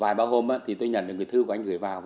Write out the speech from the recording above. vài ba hôm tôi nhận được thư của anh gửi vào